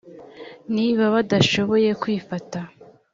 niba badashoboye kwifata